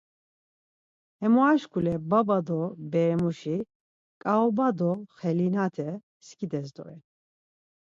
Hemora şkule baba do beremuşi ǩaoba do xelinate skides doren.